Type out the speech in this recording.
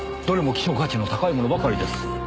どれも希少価値の高いものばかりです。